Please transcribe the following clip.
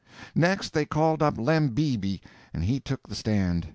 Next, they called up Lem Beebe, and he took the stand.